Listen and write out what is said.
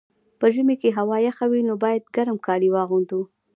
په ژمي کي هوا یخه وي، نو باید ګرم کالي واغوندو.